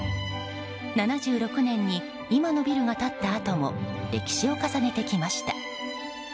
７６年に今のビルが建ったあとも歴史を重ねてきました。